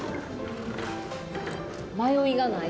迷いがない。